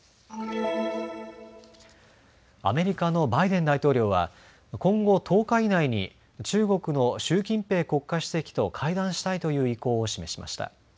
アメリカのバイデン大統領は今後１０日以内に中国の習近平国家主席と会談したいという意向を示しました。